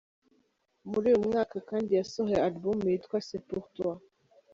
Muri uyu mwaka kandi yasohoye alubumu yitwa C’est pour toi.